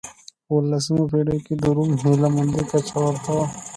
په اولسمه پېړۍ کې د روم هیله مندۍ کچه ورته و.